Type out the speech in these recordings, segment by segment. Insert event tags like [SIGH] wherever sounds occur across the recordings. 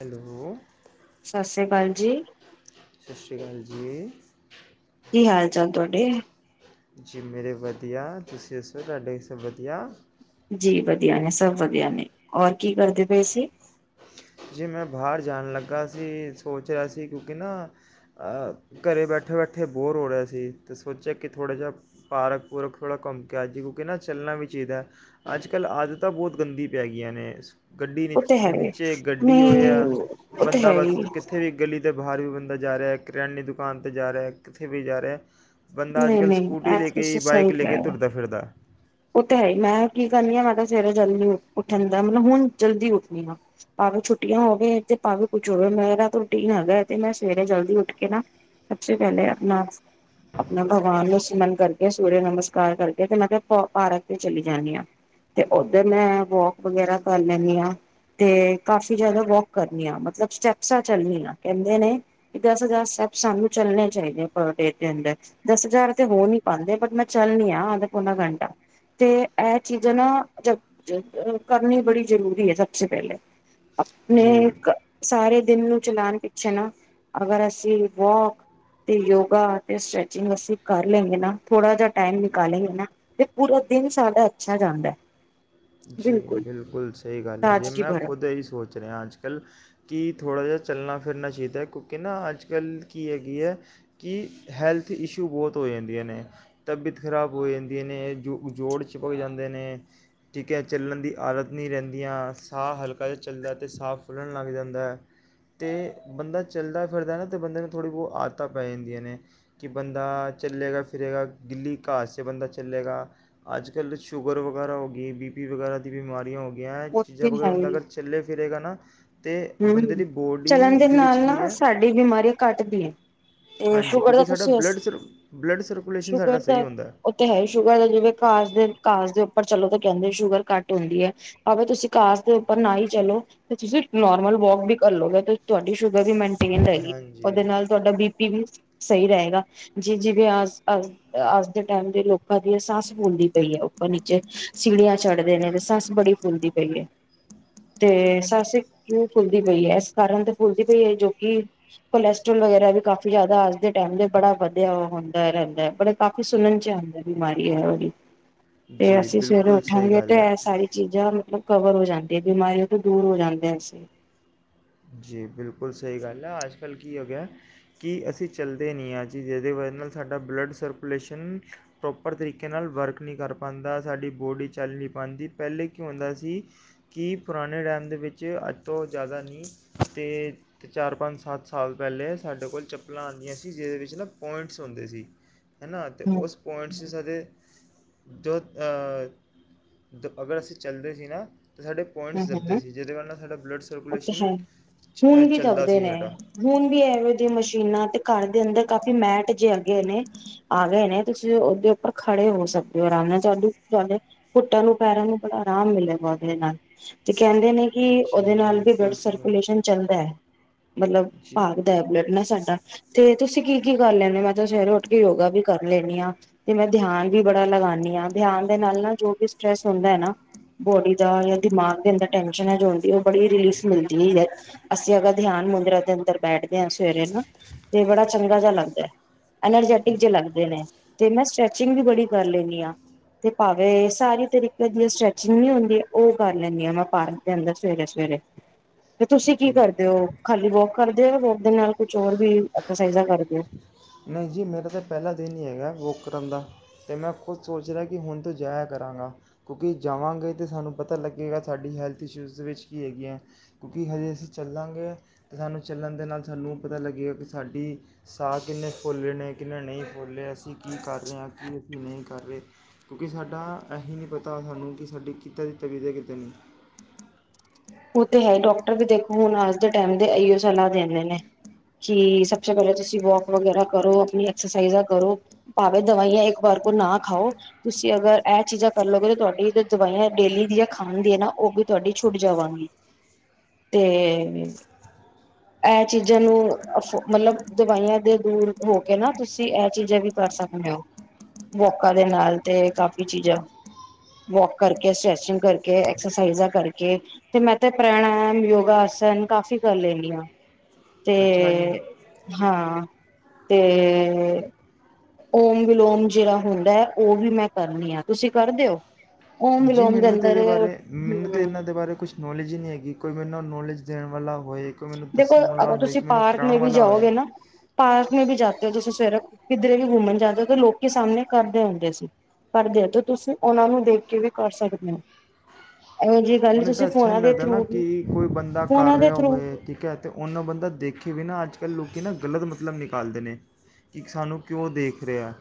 Hello ਸਤਿ ਸ੍ਰੀ ਅਕਾਲ ਜੀ ਸਤਿ ਸ਼੍ਰੀ ਅਕਾਲ ਜੀ ਕੀ ਹਾਲ ਚਾਲ ਤੁਹਾਡੇ ਜੀ ਮੇਰੇ ਵਧੀਆ ਤੁਸੀਂ ਦੱਸੋ ਤੁਹਾਡੇ ਸਬ ਵਧੀਆ ਜੀ ਵਧੀਆ ਨੇ ਸਭ ਵਧੀਆ ਨੇ ਹੋਰ ਕੀ ਕਰਦੇ ਪਏ ਸੀ ਜੀ ਮੈਂ ਬਾਹਰ ਜਾਣ ਲੱਗਾ ਸੀ ਸੋਚਆ ਸੀ ਕਿਉਂਕਿ ਨਾ ਘਰੇ ਬੈਠੇ ਬੈਠੇ ਬੋਰ ਹੋ ਰਿਹਾ ਸੀ ਤਾਂ ਸੋਚਿਆ ਕਿ ਥੋੜ੍ਹਾ ਜਿਹਾ ਪਾਰਕ ਪੂਰਕ ਥੋੜ੍ਹਾ ਘੁੰਮਕਿਆ ਜੀ ਕਿਉਂਕਿ ਨਾ ਚੱਲਣਾ ਵੀ ਚਾਹੀਦਾ ਅੱਜ ਕੱਲ੍ਹ ਆਦਤਾਂ ਬਹੁਤ ਗੰਦੀ ਪੈ ਗਈਆਂ ਨੇ ਗੱਡੀ ਨ ਉਹ ਤੇ ਹੈ ਈ। ਨੀਚੇ ਗੱਡੀ ਹੋ ਨਹੀਂ ਯਾ ਉਹ ਤੇ ਬਂਦਾ ਹੈ ਹੀ, ਬਸ ਕੀਥੇ ਵੀ ਗਲੀ ਦੇ ਬ ਬਾਹਰ ਵੀ ਬੰਦਾ ਜਾ ਰਿਹਾ ਕਰਿਆਨੀ ਦੁਕਾਨ 'ਤੇ ਜਾ ਰਿਹਾ ਕਿੱਥੇ ਬੀ ਜਾ ਰਿਹਾ ਬੰਦਾ ਅੱਜ ਕੱਲ੍ਹ ਨਹੀਂ-ਨਹੀਂ ਸਕੂਟੀ ਐ ਲੈ ਤੇ ਕੇ ਹੀ ਤੁਸੀਂ ਸਹੀ ਬਾਈਕ ਲੈ ਕਹਿ ਕੇ ਰਹੇ। ਤੁਰਦਾ ਫਿਰਦਾ ਉਹ ਤੇ ਹੈ ਹੀ ਮੈਂ ਕੀ ਕਰਨੀ ਆ ਮੈਂ ਕਿਹਾ ਸਵੇਰੇ ਜਲਦੀ ਉੱਠਣ ਦਾ ਮਤਲਬ ਹੁਣ ਜਲਦੀ ਉੱਠਣੀ ਹਾ ਭਾਵੇਂ ਛੁੱਟੀਆਂ ਹੋਵੇ ਤੇ ਭਾਵੇਂ ਕੁਛ ਹੋਵੇ ਮੇਰਾ ਤਾਂ ਰੂਟੀਨ ਹੈਗਾ ਤੇ ਮੈਂ ਸਵੇਰੇ ਜਲਦੀ ਉੱਠ ਕੇ ਨਾ ਸਭਸੇ ਪਹਿਲੇ ਆਪਣਾ ਆਪਣਾ ਭਗਵਾਨ ਨੂੰ ਸੀਮਰਨ ਕਰਕੇ ਸੂਰਯ ਨਮਸਕਾਰ ਕਰਕੇ ਤੇ ਮੈਂ ਕਿਹਾ ਪਾਰਕ ਤੇ ਚਲੀ ਜਾਂਣੀ ਹਾਂ ਤੇ ਉੱਧਰ ਮੈਂ ਵੋਕ ਵਗੈਰਾ ਕਰ ਲੈਂਦੀ ਹਾਂ ਤੇ ਕਾਫੀ ਜਿਆਦਾ ਵੋਕ ਕਰਨੀ ਆ ਮਤਲਬ ਸਟੈਪਸਾਂ ਚੱਲਣੀ ਆ ਕਹਿੰਦੇ ਨੇ ਕਿ ਦਸ ਹਜ਼ਾਰ ਸਟੈਪ ਸਾਨੂੰ ਚੱਲਣੇ ਚਾਹੀਦੇ ਆ ਪਰ ਡੇ ਦੇ ਅੰਦਰ ਦਸ ਹਜ਼ਾਰ ਤੇ ਹੋ ਨਹੀਂ ਪਾਉਂਦੇ ਬਟ ਮੈਂ ਚੱਲਣੀ ਹਾਂ ਅੱਧ ਪੌਨਾ ਘੰਟਾ ਤੇ ਇਹ ਚੀਜ਼ਾਂ ਨਾ ਜ ਕਰਨੀ ਬੜੀ ਜ਼ਰੂਰੀ ਹੈ ਸਭਸ ਪਹਿਲੇ ਆਪਣੇ ਜੀ ਸਾਰੇ ਦਿਨ ਨੂੰ ਚਲਾਉਣ ਪਿੱਛੇ ਨਾ ਅਗਰ ਅਸੀਂ ਵੋਕ ਤੇ ਯੋਗਾ ਤੇ ਸਟ੍ਰੈਚਿੰਗ ਅਸੀਂ ਕਰ ਲੈਂਗੇ ਨਾ ਥੋੜਾ ਜਿਹਾ ਟਾਈਮ ਨਿਕਾਲੇਗੇ ਨਾ ਪੂਰਾ ਦਿਨ ਸਾਡਾ ਅੱਛਾ ਜਾਂਦਾ ਹੈ ਜੀ ਬਿਲਕੁਲ ਸਹੀ ਗੱਲ ਹੈ ਜੇ ਤਾਜ਼ਗੀ ਮੈਂ ਭਰਾ ਖੁਦ ਇਹੀ ਸੋਚ ਰਿਹਾ ਅੱਜ ਕੱਲ੍ਹ ਕਿ ਥੋੜ੍ਹਾ ਜਿਹਾ ਚੱਲਣਾ ਫਿਰਨਾ ਚਾਹੀਦਾ ਕਿਉਂਕਿ ਨਾ ਅੱਜ ਕੱਲ੍ਹ ਕੀ ਹੈਗੀ ਹੈ ਕਿ ਹੈਲਥ ਇਸ਼ੂ ਬਹੁਤ ਹੋ ਜਾਂਦੀਆਂ ਨੇ ਤਬੀਅਤ ਖ਼ਰਾਬ ਹੋ ਜਾਂਦੀਆਂ ਨੇ ਜੋ ਜੋੜ 'ਚ ਹੋ ਜਾਂਦੇ ਨੇ ਠੀਕ ਹੈ ਚੱਲਣ ਦੀ ਆਦਤ ਨਹੀਂ ਰਹਿੰਦੀਆਂ, ਸਾਹ ਹਲਕਾ ਜਿਹਾ ਚੱਲਦਾ ਅਤੇ ਸਾਹ ਫੁੱਲਣ ਲੱਗ ਜਾਂਦਾ ਆ, ਤੇ ਬੰਦਾ ਚੱਲਦਾ ਫਿਰਦਾ ਨਾ ਤਾਂ ਬੰਦੇ ਨੂੰ ਥੋੜ੍ਹੀ ਬਹੁਤ ਆਦਤਾਂ ਪੈ ਜਾਂਦੀਆਂ ਨੇ ਕਿ ਬੰਦਾ ਚੱਲੇਗਾ ਫਿਰੇਗਾ ਗਿੱਲੀ ਘਾਸ 'ਤੇ ਬੰਦਾ ਚੱਲੇਗਾ। ਅੱਜ ਕੱਲ੍ਹ ਸ਼ੂਗਰ ਵਗੈਰਾ ਹੋ ਗਈ ਬੀ ਪੀ ਵਗੈਰਾ ਦੀ ਬਿਮਾਰੀਆਂ ਹੋ ਗਿਆ ਉਹ ਚੀਜ਼ਾਂ ਤੇ ਹੁਣ ਅਗਰ ਚੱਲੇ ਫਿਰੇਗਾ ਨਾ ਤਾਂ ਹੂੰ, ਚਲਨ ਦੇ ਨਾਲ ਨਾ ਕੀ ਹੈ ਸਾਡੀ ਬਿਮਾਰੀ ਘੱਟਦੀ ਏ, ਤੇ ਹਾਂਜੀ ਸ਼ੂਗਰ ਕਿਉਂਕਿ ਦਾ ਸਾਡਾ ਤੁਸੀਂ ਬਲੱਡ ਸਰ ਬਲੱਡ [UNINTELLIGIBLE] ਸਰਕੂਲੇਸ਼ਨ ਸਾਡਾ ਸ਼ੂਗਰ ਸਹੀ ਦਾ ਹੁੰਦਾ ਉਹ ਤੇ ਹੈ ਸ਼ੂਗਰ [UNINTELLIGIBLE] ਘਾਸ ਦੇ ਘਾਸ ਦੇ ਉਪ ਪਰ ਚਲੋ ਤੇ ਕਹਿੰਦੇ ਸ਼ੂਗਰ ਘੱਟ ਹੁੰਦੀ ਏ, ਭਾਵੇ ਤੁਸੀਂ ਘਾਸ ਦੇ ਉੱਪਰ ਨਾ ਹੀ ਚਲੋ ਤੇ ਤੁਸੀਂ ਨੋਰਮਲ ਵੋਕ ਵੀ ਕਰ ਲਓਗੇ, ਤੇ ਤੁਹਾਡੀ ਸ਼ੂਗਰ ਵੀ ਮੇਨ ਟੇਨ ਰਹਿ ਗਈ, ਹਾਂਜੀ ਉਹਦੇ ਨਾਲ ਤੁਹਾਡਾ ਬੀ ਪੀ ਵੀ ਸਹੀ ਰਹੇਗਾ, ਜੀ ਜਿਵੇਂ ਅ ਅ ਅੱਜ ਦੇ ਟਾਈਮ ਦੇ ਲੋਕਾਂ ਦੀ ਸੱਸ ਫੁੱਲਦੀ ਪਈ ਹੈ, ਉੱਪਰ ਨੀਚੇ ਸੀੜੀਆਂ ਚੜਦੇ ਨੇ ਤੇ ਸੱਸ ਬੜੀ ਫੁਲਦੀ ਪਈ ਹੈ ਤੇ ਸੱਸ ਕਿਉ ਫੁੱਲਦੀ ਪਈ ਹੈ, ਏਸ ਕਾਰਨ ਤੇ ਫੁੱਲਦੀ ਪਈ ਏ ਜੋ ਕਿ ਕੋਲੈਸਟਰ੍ਰੋਲ ਵਗੈਰਾ ਵੀ ਕਾਫ਼ੀ ਜ਼ਿਆਦਾ ਅੱਜ ਦੇ ਟਾਈਮ ਬੜਾ ਵਧੀਆ ਹੁੰਦਾ ਰਹਿੰਦਾ ਏ, ਬੜ ਕਾਫੀ ਸੁਣਨ ਚ ਆਂਦਾ ਬਿਮਾਰੀ ਏ [UNINTELLIGIBLE] ਤੇ ਜੀ ਅਸੀਂ ਸਵੇਰੇ ਬਿਲਕੁਲ ਸਹੀ ਉਠਾਂਗੇ ਤੇ, ਗੱਲ ਹੈ ਇਹ ਸਾਰੀ ਚੀਜ਼ਾਂ ਮਤਲਬ ਕਵਰ ਹੋ ਜਾਂਦੀ, ਬਿਮਾਰੀਆਂ ਤੋਂ ਦੂਰ ਹੋ ਜਾਂਦੇ ਐ [UNINTELLIGIBLE] ਜੀ ਬਿਲਕੁਲ ਸਹੀ ਗੱਲ ਆ, ਅੱਜ ਕੱਲ੍ਹ ਕੀ ਹੋ ਗਿਆ ਕਿ ਅਸੀਂ ਚੱਲਦੇ ਨਹੀਂ ਹਾਂ ਜੀ ਜਿਹਦੇ ਵਜ੍ਹਾ ਨਾਲ ਸਾਡਾ ਬਲੱਡ ਸਰਕੂਲੇਸ਼ਨ ਪ੍ਰੋਪਰ ਤਰੀਕੇ ਨਾਲ ਵਰਕ ਨਹੀਂ ਕਰ ਪਾਂਦਾ ਸਾਡੀ ਬੋਡੀ ਚੱਲ ਨੀ ਪਾਂਦੀ। ਪਹਿਲੇ ਕੀ ਹੁੰਦਾ ਸੀ, ਕਿ ਪੁਰਾਣੇ ਟਾਈਮ ਦੇ ਵਿੱਚ ਅੱਜ ਤੋਂ ਜ਼ਿਆਦਾ ਨੀ ਤੇ ਚਾਰ ਪੰਜ ਸੱਤ ਸਾਲ ਪਹਿਲੇ ਸਾਡੇ ਕੋਲ ਚੱਪਲਾਂ ਆਂਦੀਆ ਸੀ, ਜਿਹਦੇ ਵਿੱਚ ਨਾ ਪੁਆਇੰਟਸ ਹੁੰਦੇ ਸੀ। ਹੈਨਾ ਤੇ ਹਮ ਉਸ ਪੁਆਇੰਟਸ ਚ ਸਾ [UNINTELLIGIBLE] ਦੋ ਆਹ ਦ, ਅਗਰ ਅਸੀਂ ਚੱਲਦੇ ਸੀ ਨਾ ਤੇ ਸਾਡੇ ਹਮ ਪੁਆਇੰਟਸ ਦੱਬਦੇ ਹਮ ਸੀ, ਜਿਹਦੇ [UNINTELLIGIBLE] ਲ ਨਾ ਸਾਡਾ ਬਲੱਡ ਉਹ ਤੇ ਸਰਕੂਲੇਸ਼ਨ ਹੈ ਹੁਣ ਵੀ ਚੱਲਦਾ ਦੱਬਦੇ ਸੀ ਨੇ, ਸਾਡਾ ਹੁਣ ਵੀ ਏਵੇਂ ਦੀਆਂ ਮਸ਼ੀਨਾਂ ਤੇ ਘਰ ਦੇ ਅੰਦਰ ਕਾਫ਼ੀ ਮੈਟ ਜੇ ਆਗੇ ਨੇ ਆ ਗਏ ਨੇ, ਤੁਸੀਂ ਉਹਦੇ ਉੱਪਰ ਖੜੇ ਹੋ ਸਕਦੇ ਹੋ ਆਰਾਮ ਨਾਲ, ਤੁਹਾਨੂੰ ਤੁਹਾਡੇ ਘੁੱਟਾਂ ਨੂੰ ਪੈਰਾਂ ਨੂੰ ਬੜਾ ਆਰਾਮ ਮਿਲੇਗਾ ਉਹਦੇ ਨਾਲ। ਤੇ ਕਹਿੰਦੇ ਨੇ ਕਿ ਉਹਦੇ ਜੀ ਨਾਲ ਵੀ ਬਲੱਡ ਬਿਲਕੁਲ ਸੀ ਸਰਕੂਲੇਸ਼ਨ ਚੱਲ੍ਹਦੇ, ਮਤਲਬ ਜੀ ਭਾਖਦਾ ਐ, ਬਲੱਡ ਨਾ ਸਾਡਾ ਤੇ ਤੁਸੀਂ ਕੀ ਕੀ ਕਰ ਲੈਂਨੇ ਹੋ, ਮੈਂ ਤਾਂ ਸਵੇਰੇ ਉੱਠ ਕੇ ਯੋਗਾ ਵੀ ਕਰ ਲੈਨੀ ਆ ਤੇ, ਮੈਂ ਧਿਆਨ ਵੀ ਬੜਾ ਲਗਾਨੀ ਆ ਧਿਆਨ ਦੇ ਨਾਲ ਨਾਲ ਜੋ ਵੀ ਸਟਰ੍ਰੈਸ ਹੁੰਦਾ ਹੈ ਨਾ ਬੋਡੀ ਦਾ ਯਾ ਦਿਮਾਗ ਦੇ ਅੰਦਰ ਟੈਨਸ਼ਨ ਹੇ ਜੋ ਹੁੰਦੀ ਆ, ਉਹ ਬੜੀ ਰਿਲੀਫ ਮਿਲਦੀ ਏ, ਅਸੀਂ ਅਗਰ ਧਿਆਨ ਮੁੰਦਰਾ ਦੇ ਅੰਦਰ ਬੈਠਦੇ ਹਾਂ ਸਵੇਰੇ ਨਾ ਤੇ ਬੜਾ ਚੰਗਾ ਜਿਹਾ ਲੱਗਦੇ। ਐਨਰਜੈਟਿਕ ਜੇ ਲੱਗਦੇ ਨੇ ਤੇ ਮੈਂ ਸਟ੍ਰੈਚਿੰਗ ਵੀ ਬੜੀ ਕਰ ਲੈਨੀ ਆ, ਤੇ ਭਾਵੇਂ ਸਾਰੀ ਤਰੀਕੇ ਦੀ ਸਟ੍ਰੈਚਿੰਗ ਨੀ ਹੁੰਦੀ ਉਹ ਕਰ ਲੈਂਨੀ ਆ, ਮੈਂ ਪਾਰਕ ਦੇ ਅੰਦਰ ਸਵੇਰੇ ਸਵੇਰੇ ਤੇ ਤੁਸੀਂ ਕੀ ਜੀ ਕਰਦੇ ਹੋ? ਖਾਲੀ ਵੋਕ ਕਰਦੇ ਉ ਵੋਕ ਦੇ ਨਾਲ ਕੁਛ ਹੋਰ ਵੀ ਐਕਸਰਸਾਈਜਾ ਕਰਦੇ ਉ? ਨਹੀਂ ਜੀ ਮੇਰਾ ਤੇ ਪਹਿਲਾ ਦਿਨ ਹੀ ਹੈਗੇ ਵੋਕ ਕਰਨ ਦਾ, ਤੇ ਮੈਂ ਖੁਦ ਸੋਚ ਰਿਹਾ ਕਿ ਹੁਨ ਤੋਂ ਜਾਇਆ ਕਰਾਂਗਾ ਕਿਉਂਕਿ ਜਾਵਾਂਗੇ ਤੇ ਸਾਨੂੰ ਪਤਾ ਲੱਗੇਗਾ ਸਾਡੀ ਹੈਲਥ ਇਸ਼ੂਜ਼ ਵਿੱਚ ਕੀ ਹੈਗੀ ਏ, ਕਿਉਂਕਿ ਹਜੇ ਅਸੀਂ ਚੱਲਾਂਗੇ ਤਾਂ ਸਾਨੂੰ ਚੱਲਣ ਦੇ ਨਾਲ ਸਾਨੂੰ ਪਤਾ ਲੱਗੇਗਾ ਕਿ ਸਾਡੀ ਸਾਹ ਕਿੰਨੇ ਫੁੱਲੇ ਨੇ ਕਿਨੇ ਨਹੀਂ ਫੁੱਲੇਹੇ ਅਸੀਂ ਕੀ ਕਰ ਰਹੇ ਹਾਂ ਕੀ ਅਸੀਂ ਨਹੀਂ ਕਰ ਰਹੇ ਕਿਉਂਕਿ ਸਾਡਾ ਏਹੀ ਨਹੀਂ ਪਤਾ ਸਾਨੂੰ ਕਿ ਸਾਡੀ ਕਿੱਤਾ ਦੀ ਤ [UNINTELLIGIBLE] ਕਿਤੇ ਨਹੀਂ ਉਹ ਤੇ ਹੈ ਡਾਕਟਰ ਵੀ ਦੇਖੋ ਹੁਨ ਅੱਜ ਦੇ ਟੇਮ ਦੇ ਇਓ ਸਲਾਹ ਦਿੰਦੇ ਨੇ ਕਿ ਸਭ ਸੇ ਪਹਿਲੇ ਤੁਸੀਂ ਵੋਕ ਵਗੈਰਾ ਕਰੋ ਅਪਨੀ ਐਕਸਰਸਾਈਜ਼ਆ ਕਰੋ ਭਾਵੇ ਦਵਾਈਆਂ ਇੱਕ ਵਾਰ ਕੋ ਨਾ ਖਾਓ ਤੁਸੀਂ ਅਗਰ ਇਹ ਚੀਜ਼ਾਂ ਕਰ ਲੋਗੇ ਤੁਹਾਡੀ ਜੋ ਦਵਾਈਆਂ ਹੇ ਡੇਲੀ ਦੀ ਖਾਣ ਦੀ ਏ ਨਾ ਉਹ ਵੀ ਤੁਹਾਡੀ ਛੁੱਟ ਜਾਵਾਂ ਤੇ ਇਹ ਚੀਜ਼ਾਂ ਨੂੰ ਅ ਮਤਲਬ ਦਵਾਈਆਂ ਦੇ ਦੂਰ ਹੋ ਕੇ ਨਾ ਤੁਸੀਂ ਇਹ ਚੀਜ਼ਾਂ ਵੀ ਕਰ ਸਕਦੇ ਹੋ ਵੋਕਾਂ ਦੇ ਨਾਲ ਤੇ ਕਾਫੀ ਚੀਜ਼ਾਂ ਵੋਕ ਕਰਕੇ ਸ੍ਰੈਚਿੰਗ ਕਰਕੇ ਐਕਸਰਸਾਈਜ਼ਾਂ ਕਰਕੇ ਤੇ ਮੈਂ ਤੇ ਪ੍ਰਣਾਇਮ ਯੋਗਾਸਨ ਕਾਫੀ ਕਰ ਲੈਂਨੀ ਆ ਅੱਛਾ ਜੀ ਤੇ, ਹਾਂ। ਤੇ ਓਮ ਵਿਲੋਮ ਜਿਹੜਾ ਹੁੰਦਾ ਹੈ ਉਹ ਵੀ ਮੈਂ ਕਰਨੀ ਆ ਤੁਸੀਂ ਕਰ ਦਿਓ? ਜੀ ਮੈਨੂੰ ਤਾਂ ਇਹਦੇ ਬਾਰੇ ਮੈਨੂੰ ਤਾਂ ਇਹਨਾਂ ਦੇ ਬਾਰੇ ਕੁਛ ਨੌਲੇਜ ਹੀ ਨਹੀਂ ਹੈਗੀ। ਕੋਈ ਮੈਨੂੰ ਨੌਲੇਜ ਦੇਣ ਵਾਲਾ ਹੋਏ ਕੋਈ ਮੈਨੂੰ ਦੇਖੋ ਦੱਸਣ ਵਾਲਾ ਅਗਰ ਹੋਏ ਤੁਸੀਂ ਕੋਈ ਮੈਨੂੰ ਪਾਰਕ ਕਰਾਉਣ ਮੇ ਭੀ ਵਾਲਾ ਹੋਏ ਜਾਓਗੇ ਨਾ ਪਾਰਕ ਮੇ ਭੀ ਜਾ ਤੇ ਤੁਸੀਂ ਸਵੇਰੇ ਕਿੱਧਰੇ ਵੀ ਘੁੰਮਣ ਜਾਂਦੇ ਹੋ ਤਾਂ ਲੋਕੀ ਸਾਹਮਣੇ ਕਰਦੇ ਹੁੰਦੇ ਸੀ ਕਰਦੇ ਆ ਤੇ ਤੁਸੀਂ ਉਹਨਾਂ ਨੂੰ ਦੇਖ ਕੇ ਵੀ ਕਰ ਸਕਦੇ ਹੋ। ਇਹੋ ਜਿਹੀ ਗੱਲ ਹੁਨ ਤਾਂ ਤੁਸੀਂ ਅੱਛਾ ਫੋਨਾਂ ਨਹੀਂ ਦੇ ਲੱਗਦਾ ਨਾ ਥਰੂ ਵੀ ਕਿ ਕੋਈ ਬੰਦਾ ਕਰ ਫੋਨਾਂ ਦੇ ਰਿਹਾ ਥਰੂ ਹੋਵੇ, ਠੀਕ ਹੈ ਤੇ ਉਹਨਾਂ ਬੰਦਾ ਦੇਖੇ ਵੀ ਨਾ ਅੱਜ ਕੱਲ੍ਹ ਲੋਕੀ ਨਾ ਗਲਤ ਮਤਲਬ ਨਿਕਾਲਦੇ ਨੇ ਕਿ ਸਾਨੂੰ ਕਿਉਂ ਦੇਖ ਰਿਹਾ।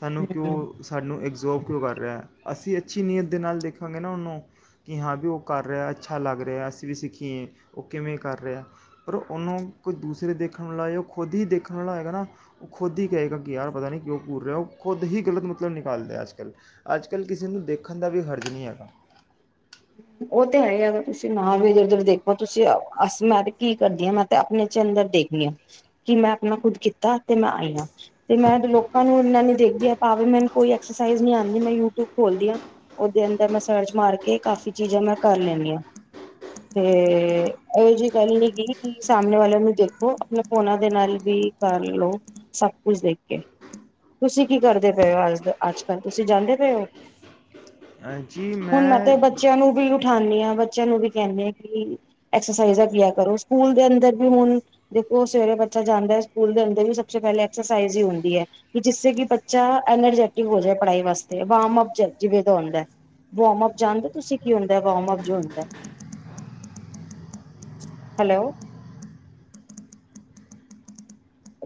ਸਾਨੂੰ ਹਮ ਕਿਉਂ ਸਾਨੂੰ ਐਗਜ਼ੋਬ ਕਿਉਂ ਕਰ ਰਿਹੇ ਅਸੀ ਅੱਛੀ ਨੀਅਤ ਦੇ ਨਾਲ ਦੇਖਾਂਗੇ ਨਾ ਓਨੂੰ ਕਿ ਹਾਂ ਵੀ ਓ ਕਰ ਰੇਆ, ਅੱਛਾ ਲੱਗ ਰੇਆ ਅਸੀਂ ਵੀ ਸਿੱਖੀਏਂ, ਓ ਕਿਵੇਂ ਕਰ ਰੇਆ ਪਰ ਓਨੂੰ ਕੋਈ ਦੂਸਰੇ ਦੇਖਣ ਨਾਲੋ਼ ਖੁਦ ਈ ਦੇਖਣ ਵਾਲਾ ਹੈਏਗਾ ਨਾ, ਓ ਖੁਦ ਈ ਕਹੇਗਾ ਕਿ ਯਾਰ ਪਤਾ ਨੀ ਕੇਓ ਘੂਰ ਰੇਆ ਓ ਖੁਦ ਹੀ ਗ਼ਲਤ ਮਤਲਬ ਨਿਕਾਲਦੈ ਅੱਜ-ਕੱਲ, ਅੱਜ-ਕੱਲ ਕਿਸੇ ਨੂੰ ਦੇਖਨ ਦਾ ਵੀ ਹਰਜ਼ ਨਈ ਹੈਗਾ। ਓ ਤੇ ਹੈ ਏ, ਤੁਸੀਂ ਨਾ ਵੀ ਏਦਰ-ਓਦਰ ਦੇਖੋ ਤੁਸੀ ਆਓ ਅਸ ਮੈਂ ਕੀ ਕਰਦੀ ਆ ਮੈਂ ਤੇ ਆਪਨੇ ਚ ਅੰਦਰ ਦੇਖਨੀ ਆ। ਕਿ ਮੈਂ ਆਪਨਾ ਖੁਦ ਕੀਤਾ ਤੇ ਮੈਂ ਆਈ ਆਂ, ਤੇ ਮੈਂ ਲੋਕਾਂ ਨੂੰ ਇਨਾ ਨੀ ਦੇਖਦੀ ਭਾਵੇ ਮੈਨ ਕੋਈ ਐਕਸ ਸਾਈਜ਼ ਨੀ ਆਂਦੀ ਮੈਂ ਯੂਟਊਬ ਖੋਲਦੀ ਆ ਓਦੇ ਅੰਦਰ ਮੈਂ ਸਰਚ ਮਾਰ ਕੇ ਕਾਫੀ ਕੀ ਚੀਜ਼ਾਂ ਮੈਂ ਕਰ ਲੈਨੀ ਆ ਤੇ ਐਓ ਜੀ ਗੱਲ ਨੀ ਗੀ ਕਿ, ਸਾਮਨੇ ਵਾਲੇਆਂ ਨੂੰ ਦੇਖੋ ਆਪਨੇ ਓਨਾਂ ਦੇ ਨਾਲ ਵੀ ਕਰ ਲੋ ਸਬ ਕੁਜ ਦੇਖ ਕੇ। ਤੁਸੀਂ ਕੀ ਕਰਦੇ ਪਏ ਓ ਅ ਅੱਜ-ਅੱਜ-ਕੱਲ ਤੁਸੀਂ ਜਾਂਦੇ ਪਏ ਓ? ਹਾਂਜੀ, ਮੈਂ ਨੂੰ ਵੀ ਉਠਾਂਨੀ ਆ ਬੱਚੇਆਂ ਨੂੰ ਵੀ ਕੈਂਨੀ ਆ, ਕਿ ਐਕਸਸਾਈਜਾ ਕੀਆ ਕਰੋ ਸੂਕੂਲ ਦੇ ਅੰਦਰ ਵੀ ਹੁਨ ਦੇਖੋ ਸਵੇਰੇ ਬੱਚਾ ਜਾਂਦੈ ਸਕੂਲ ਦੇ ਅੰਦਰ ਵੀ ਸਬਸੇ ਸੇ ਪੈਲੇ ਐਕਸਸਾਈਜ਼ ਈ ਹੁੰਦੀ ਐ। ਜਿਸੇ ਕਿ ਬੱਚਾ ਐਨਰਜੈਟਿਕ ਹੋ ਜਾਏ ਪੜਾਈ ਵਾਸਤੇ, ਵਾਮਪ ਜਪ ਜਿਵੇਂ ਦਾ ਹੁੰਦੈ ਵੋਮਅਪ ਜਾਂਨਦੇ ਓ? ਤੁਸੀਂ ਕੀ ਹੁੰਦੈ ਵੋਮਅਪ ਜੋ ਹੁੰਦੈ? ਹੈਲੌ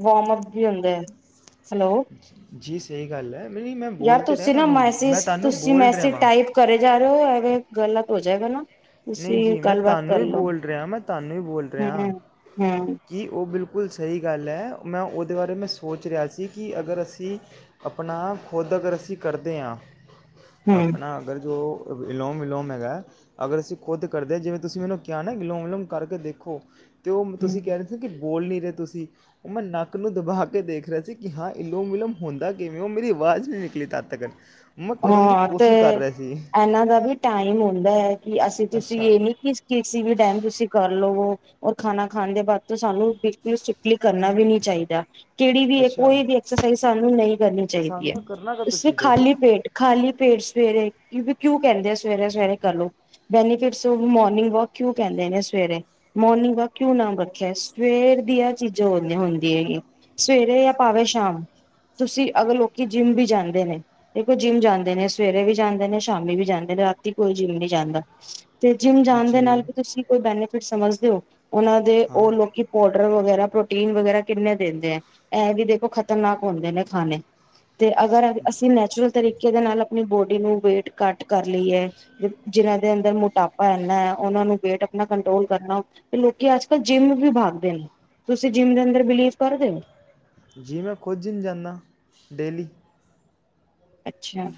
ਵੋਮਅਪ ਕੀ ਹੁੰਦੈ? ਹੈਲੋ ਜੀ ਸਈ ਗੱਲ ਐ, ਨ ਨਈ ਮੈਂ ਯਾਰ ਬੋਲ ਤਾਂ ਰੇਆ ਤੁਸੀਂ ਨਾ ਤੁਆਂਨੂੰ ਮੈਂ ਮੈਸੇਜ ਤੁਆਂਨੂੰ ਤੁਸੀਂ ਬੋਲ ਰੇਆ ਮੈਸੇਜ ਵਾਂ। ਟਾਈਪ ਕਰੇ ਜਾ ਐਵੇਂ ਗੱਲਤ ਹੋ ਜਾਏਗਾ ਨਾ। ਨਈ ਤੁਸੀਂ ਜੀ, ਮੈਂ ਗੱਲਬਾਤ ਕਰ ਤਾਂਨੂੰ ਈ ਲਓ ਬੋਲ ਰੇਆ ਮੈਂ ਤਾਂਨੂੰ ਈ ਬੋਲ ਹੂੰ ਰੇਆ। ਹੂੰ ਕਿ ਓ ਬਿਲਕੁਲ ਸਈ ਗੱਲ ਐ, ਮੈਂ ਓਦੇ ਬਾਰੇ ਮੈਂ ਸੋਚ ਰੇਆ ਸੀ, ਕਿ ਅਗਰ ਅਸੀ ਅਪਨਾ ਖੁਦ ਅਗਰ ਅਸੀ ਕਰਦੇ ਆਂ ਹੂੰ ਆਪਨਾ ਅਗਰ ਜੋ ਈਲੋਮ-ਵਿਲੋਮ ਹੈਗੈ, ਅਗਰ ਅਸੀ ਖੁਦ ਕਰਦੇ ਜਿਵੇਂ ਤੁਸੀਂ ਮੈਨੂੰ ਕੇਆ ਨਾ, ਗਿਲੋਮ ਵਿਲੋਮ ਕਰਕੇ ਦੇਖੋ ਤੇ ਓ ਮ ਹੂੰ ਤੁਸੀ ਕਿ ਬੋਲ ਨੀ ਰਏ ਤੁਸੀ, ਓ ਮੈਂ ਨੱਕ ਨੂੰ ਦਬਾ ਕੇ ਦੇਖ ਰੇਆ ਸੀ ਕਿ ਹਾਂ ਇਲੋਮ-ਵਿਲੋਮ ਹੁੰਦਾ ਕਿਵੇਂ ਓ ਮੇਰੀ ਅਵਾਜ ਨਈ ਨਿਕਲੀ ਤਦ ਤੱਕਨ। ਹਾਂ। ਤੇ ਐਨਾਂ ਦਾ ਵੀ ਟਾਈਮ ਹੁੰਦੈ, ਹੈ ਕਿ ਅਸੀਂ- ਤੁਸੀਂ ਅੱਛਾ ਏ ਨੀ ਕਿ ਕਿਸੇ ਵੀ ਟਾਈਮ ਤੁਸੀਂ ਕਰ ਲਵੋ। ਔਰ ਖਾਨਾ ਖਾਨ ਦੇ ਬਾਦ ਤੋਂ ਸਾਨੂੰ, ਬਿਲਕੁਲ ਸਿਟ੍ਰਕਲੀ ਕਰਨਾ ਵੀ ਨੀ ਚਾਈਦਾ। ਕਿਹੜੀ ਵੀ ਹੈ ਅੱਛਾ ਕੋਈ ਵੀ ਐਕਸਰਸਾਈਜ਼ ਸਾਨੂੰ ਨਹੀਂ ਕਰਨੀ ਅਤੇ ਚਾਹੀਦੀ ਸਾਨੂੰ ਹੈ। ਇਹ ਕਰਨਾ ਕਦੋਂ [UNINTELLIGIBLE] ਚਾਹੀਦਾ ਜੀ ਖਾਲੀ ਪੇਟ ਖਾਲੀ ਪੇਟ ਸਵੇਰੇ ਕਿ ਕਿਉਂ ਕਹਿੰਦੇ ਆ ਸਵੇਰੇ ਸਵੇਰੇ ਕਰ ਲੋ? ਬੈਨੀਫਿਟਸ ਮੋਰਨਿੰਗ ਵਾਕ ਕਿਉਂ ਕਹਿੰਦੇ ਨੇ ਸਵੇਰੇ ਮੋਰਨਿੰਗ ਵਾਕ ਕਿਉਂ ਨਾਮ ਰੱਖਿਆ ਸਵੇਰ ਦੀਆਂ ਚੀਜ਼ਾਂ ਹੁੰਦੀ ਹੈਗੀ ਸਵੇਰੇ ਜਾਂ ਪਾਵੇ ਸ਼ਾਮ ਤੁਸੀਂ ਅਗਰ ਲੋਕੀ ਜਿੰਮ ਵੀ ਜਾਂਦੇ ਨੇ ਜਿੰਮ ਜਾਂਦੇ ਨੇ, ਸਵੇਰੇ ਵੀ ਜਾਂਦੇ ਨੇ, ਸ਼ਾਮੀ ਵੀ ਜਾਂਦੇ ਨੇ, ਰਾਤੀ ਕੋਈ ਜਿੰਮ ਨਹੀਂ ਜਾਂਦਾ ਤੇ ਜਿੰਮ ਜਾਣ ਦੇ ਜੀ ਨਾਲ ਵੀ ਤੁਸੀਂ ਕੋਈ ਬੈਨੀਫਿਟ ਸਮਝਦੇ ਹੋ? ਉਹਨਾਂ ਦੇ ਹਾਂ ਉਹ ਲੋਕੀ ਪੋਡਰ ਵਗੈਰਾ ਪ੍ਰੋਟੀਨ ਵਗੈਰਾ ਕਿੰਨੇ ਦਿੰਦੇ ਐ, ਇਹ ਵੀ ਦੇਖੋ ਖ਼ਤਰਨਾਕ ਹੁੰਦੇ ਨੇ ਖਾਣੇ ਅਤੇ ਅਗਰ ਅਸੀਂ ਨੈਚੁਰਲ ਤਰੀਕੇ ਦੇ ਨਾਲ ਆਪਣੀ ਬੋਡੀ ਨੂੰ ਵੇਟ ਘੱਟ ਕਰ ਲਈ ਐ ਜਿਨਾਂ ਦੇ ਅੰਦਰ ਟਾਪਾ ਇਨਾ ਉਹਨਾ ਨੂੰ ਵੇਟ ਆਪਣਾ ਕੰਟਰੋਲ ਕਰਨਾ ਤੇ ਲੋਕੀ ਅੱਜ ਕੱਲ ਜਿੰਮ ਵੀ ਬਾਗਦੇ ਨੇ। ਤੁਸੀਂ ਜਿੰਮ ਦੇ ਅੰਦਰ ਬਿਲੀਵ ਕਰਦੇ ਹੋ? ਜੀ ਮੈਂ ਕੁਜਿਨ ਜਾਂਦਾ ਡੇਲੀ ਅੱਛਾ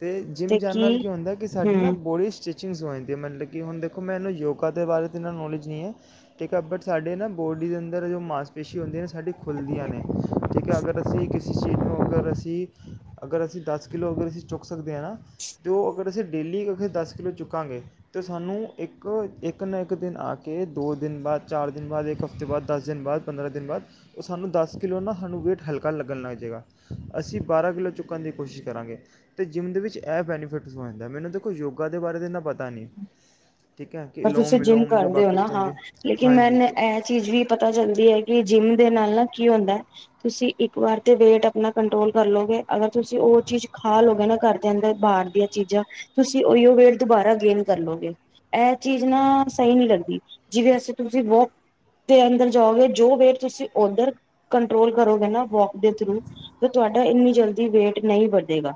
ਤੇ ਜਿੰਮ ਜਾਣ ਨਾਲ ਕੀ ਹੁੰਦਾ ਕਿ ਸਾਡੀ ਨਾ ਹਮ ਬੋਡੀ ਸਟਿ ਚ ਹੋ ਜਾਂ ਮਤਲਬ ਕਿ ਹੁਣ ਦੇਖੋ ਮੈਨੂੰ ਯੋਗਾ ਦੇ ਬਾਰੇਨਾ ਨੌਲੇਜ ਨਹੀਂ ਹੈ ਠੀਕ ਹੈ ਬਟ ਸਾਡੇ ਨਾ ਬੋਡੀ ਦੇ ਅੰਦਰ ਜੋ ਮਾਸਪੇਸ਼ੀ ਹੁੰਦੀ ਸਾਡੀਆਂ ਖੁੱਲਦੀਆਂ ਨੇ। ਠੀਕ ਹੈ, ਅਗਰ ਅਸੀਂ ਚੀਜ਼ ਨੂੰ ਅਗਰ ਅਸੀਂ, ਅਗਰ ਅਸੀਂ ਦਸ ਕਿੱਲੋ ਅਗਰ ਅਸੀ ਸਕਦੇ ਆ ਅਤੇ ਉਹ ਅਗਰ ਅਸੀਂ ਡੇਲੀ ਅਗੇ ਦਸ ਕਿੱਲੋ ਚੁੱਕਾਂਗੇ ਤਾਂ ਸਾਨੂੰ ਇੱਕ ਇੱਕ ਨਾ ਇੱਕ ਦਿਨ ਆ ਕੇ ਦੋ ਦਿਨ ਬਾਅਦ ਚਾਰ ਦਿਨ ਬਾਅਦ ਇੱਕ ਹਫ਼ਤੇ ਬਾਅਦ ਦਸ ਦਿਨ ਬਾਅਦ ਪੰਦਰਾਂ ਦਿਨ ਬਾਅਦ ਉਹ ਸਾਨੂੰ ਦਸ ਕਿੱਲੋ ਨਾ ਸਾਨੂੰ ਵੇਟ ਹਲਕਾ ਲੱਗਣ ਲੱਗ ਜੇਗਾ ਅਸੀਂ ਬਾਰਾਂ ਕਿੱਲੋ ਚੁੱਕਣ ਦੀ ਕੋਸ਼ਿਸ਼ ਕਰਾਂਗੇ ਅਤੇ ਜਿੰਮ ਦੇ ਵਿੱਚ ਇਹ ਬੈਨੀਫਿਟਸ ਹੋ ਜਾਂਦਾ। ਮੈਨੂੰ ਦੇਖੋ ਯੋਗਾ ਦੇ ਬਾਰੇ ਤੇਨਾ ਪਤਾ ਨਹੀਂ ਠੀਕ ਹੈ ਕਿ ਪਰ ਤੁਸੀਂ ਅਲੋਮ ਜਿੰਮ ਵਿਲੋਮ ਜੋ ਕਰਦੇ ਹੋ ਬਾਕੀ ਨਾ ਚੀਜ਼ਾਂ ਹਾਂ ਹੁੰਦੀਆਂ ਲੇਕਿਨ ਹਾਂਜੀ ਮੈਨੂੰ ਅਤੇ ਇਹ ਚੀਜ਼ ਵੀ ਪਤਾ ਚੱਲਦੀ ਹੈ ਕਿ ਜਿੰਮ ਦੇ ਨਾਲ ਕੀ ਹੁੰਦਾ ਤੁਸੀਂ ਇੱਕ ਵਾਰ ਤੇ ਵੇਟ ਆਪਣਾ ਕੰਟਰੋਲ ਕਰ ਲੋਗੇ ਅਗਰ ਤੁਸੀਂ ਉਹ ਚੀਜ਼ ਖਾ ਲਓਗੇ ਨਾ ਘਰ ਦੇ ਅੰਦਰ ਬਾਹਰ ਦੀਆਂ ਚੀਜ਼ਾਂ ਤੁਸੀਂ ਉਹੀਓ ਵੇਟ ਦੁਬਾਰਾ ਗੇਨ ਕਰ ਲੋਗੇ ਇਹ ਚੀਜ਼ ਨਾ ਸਹੀ ਨਹੀਂ ਲੱਦੀ ਜਿਵੇਂ ਅਸੀਂ ਤੁਸੀਂ ਵੋਕ ਦੇ ਅੰਦਰ ਜਾਓਗੇ ਜੋ ਵੇਟ ਤੁਸੀਂ ਉੱਧਰ ਕੰਟਰੋਲ ਕਰੋਗੇ ਨਾ ਵੋਕ ਦੇ ਥਰੂ ਤਾਂ ਤੁਹਾਡਾ ਇੰਨੀ ਜਲਦੀ ਵੇਟ ਨਹੀਂ ਵਧੇਗਾ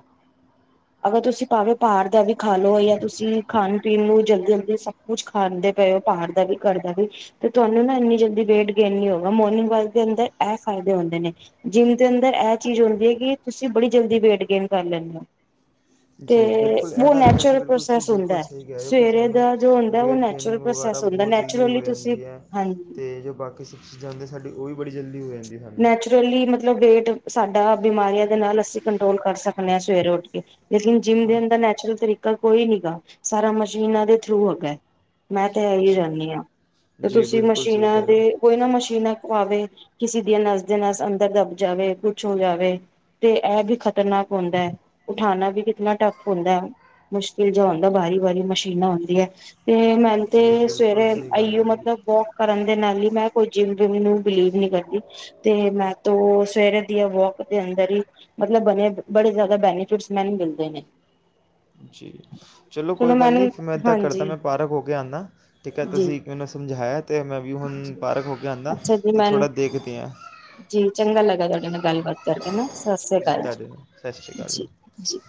ਅਗਰ ਤੁਸੀਂ ਭਾਵੇਂ ਪਾਰ ਦਾ ਵੀ ਖਾ ਲਓ ਜਾਂ ਤੁਸੀਂ ਖਾਣ ਪੀਣ ਨੂੰ ਜਲਦੀ ਜਲਦੀ ਸਭ ਕੁਛ ਖਾਂਦੇ ਪਏ ਹੋ ਬਾਹਰ ਦਾ ਵੀ ਘਰ ਦਾ ਵੀ ਤੇ ਤੁਹਾਨੂੰ ਨਾ ਇਨੀ ਜਲਦੀ ਵੇਟ ਗੇਨ ਨ ਹੋਊਗਾ ਮੋਰਨਿੰਗ ਵਾਕ ਦੇ ਅੰਦਰ ਇਹ ਫਾਇਦੇ ਹੁੰਦੇ ਨੇ ਜਿੰਮ ਦੇ ਅੰਦਰ ਇਹ ਚੀਜ਼ ਹੁੰਦੀ ਹੈ ਕਿ ਤੁਸੀਂ ਬੜੀ ਜਲਦੀ ਵੇਟ ਗੇਨ ਕਰ ਲੈਂਦੇ ਹੋ ਜੀ ਤੇ ਬਿਲਕੁਲ ਇਹ ਉਹ ਗੱਲ ਤੇ ਨੈਚੁਰਲ ਬਿਲਕੁਲ ਤੁਸੀਂ ਪ੍ਰੋਸੈਸ ਬਿਲਕੁਲ ਹੁੰਦਾ ਹੈ ਸਹੀ ਕਿਹ ਰਹੇ ਹੋ ਕਿ ਸਵੇਰੇ ਸਾਨੂੰ ਦਾ ਜੋ ਹੁੰਦਾ ਉਹ ਵੇਟ ਨੈਚੁਰਲ ਗੇਨਿੰਗ ਵਗੈਰਾ ਪ੍ਰੋਸੈਸ ਹੁੰਦਾ ਬਹੁਤ ਜਲਦੀ ਨੈਚੁਰਲੀ ਹੋ ਤੁਸੀਂ ਜਾਂਦੀ ਹੈ ਹਾਂਜੀ ਅਤੇ ਜੋ ਬਾਕੀ ਸਭ ਚੀਜ਼ਾਂ ਹੁੰਦੀ ਸਾਡੀ ਉਹ ਵੀ ਬੜੀ ਜਲਦੀ ਹੋਏ ਨੇ ਨੈਚੁਰਲੀ ਮਤਲਬ ਵੇਹਟ ਸਾਡਾ ਬਿਮਾਰੀਆਂ ਦੇ ਨਾਲ ਅਸੀਂ ਕੰਟਰੋਲ ਕਰ ਸਕਦੇ ਹਾਂ ਸਵੇਰੇ ਉੱਠ ਕੇ ਲੇਕਿਨ ਜੀਮ ਹਾਂ ਦੇ ਅੰਦਰ ਨੈਚੁਰਲ ਤਰੀਕ ਕੋਈ ਨੀ ਗਾ ਸਾਰਾ ਮਸ਼ੀਨਾਂ ਦੇ ਥਰੂ ਅਗਾ ਮੈਂ ਤੇ ਇ ਹੀ ਜੀ ਜਾਨਨੀ ਹਾਂ ਤੇ ਜੀ ਤੁਸੀਂ ਬਿਲਕੁਲ ਸਹੀ ਮਸ਼ੀਨਾਂ ਕਹਿ ਰਹੇ ਦੇ ਕੋਈ ਨਾ ਮਸ਼ੀਨਾਂ ਆਵੇ ਕਿਸੇ ਨੱਸਦੇ ਨੱਸ ਅੰਦਰ ਦੱਬ ਜਾਵੇ ਕੁਛ ਹੋ ਜਾਵੇ ਤੇ ਇਹ ਵੀ ਖ਼ਤਰਨਾਕ ਹੁੰਦਾ ਹੈ ਉਠਾਉਣਾ ਵੀ ਕਿਤਨਾ ਟੱਫ ਹੁੰਦਾ ਮੁਸ਼ਕਿਲ ਜਿਹਾ ਹੁੰਦਾ ਬਾਹਾਰੀ ਵਾਰੀ ਮਸ਼ੀਨਾਂ ਹੁੰਦੀਆਂ ਹੈ ਤੇ ਮੈ ਹੋ ਤੇ ਜੀ ਬਿਲਕੁਲ ਸਵੇਰੇ ਸਹੀ ਗੱਲ ਆਈ ਹੈ ਜੀ ਮਤਲਬ ਵੋਕ ਕਰਨ ਦੇ ਨਾਲ ਹੀ ਮੈਂ ਕੋ ਜਿਮ ਜੂਮ ਨੂੰ ਬਿਲੀਵ ਨਹੀਂ ਕਰਦੀ ਤੇ ਮੈਂ ਤੋਂ ਸਵੇਰੇ ਦੀਆਂ ਵੋਕ ਦੇ ਅੰਦਰ ਹੀ ਮਤਲਬ ਬਣੇ ਬੜੇ ਜ਼ਿਆਦਾ ਬੈਨੀਫਿਟਸ ਮੈਨੂੰ ਮਿਲਦੇ ਨੇ ਜੀ ਚਲੋ ਕੋਈ ਗੱਲ ਨਹੀਂ ਮੈਨੂੰ ਫਿਰ ਮੈਂ ਇੱਦਾਂ ਕਰਦਾ ਹਾਂਜੀ ਮੈਂ ਪਾਰਕ ਹੋ ਕੇ ਆਉਂਦਾ ਠੀਕ ਹੈ ਜੀ ਤੁਸੀਂ ਮੈਨੂੰ ਸਮਝਾਇਆ ਤੇ ਮੈਂ ਵੀ ਹੁਣ ਜੀ ਪਾਰਕ ਹੋ ਕੇ ਆਂਦਾ ਅੱਛਾ ਜੀ ਅਤੇ ਮੈਨੂੰ ਥੋੜ੍ਹਾ ਦੇਖਦੀ ਹਾਂ ਜੀ ਚੰਗਾ ਲੱਗਾ ਤੁਹਾਡੇ ਨਾਲ ਗੱਲਬਾਤ ਕਰਕੇ ਨਾ। ਸਤਿ ਸ੍ਰੀ ਜੀ ਅਕਾਲ ਤੁਹਾਡੇ ਨਾਲ ਸਤਿ ਸ਼੍ਰੀ ਅਕਾਲ ਜੀ ਜੀ ਜੀ